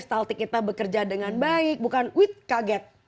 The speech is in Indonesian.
peristaltik kita bekerja dengan baik bukan wih kaget